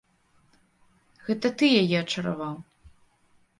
Гэта ты яе ачараваў.